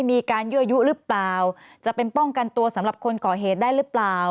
มีการยั่วยุหรือเปล่าจะเป็นป้องกันตัวสำหรับคนก่อเหตุได้หรือเปล่า